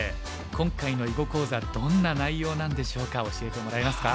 今回の囲碁講座どんな内容なんでしょうか教えてもらえますか？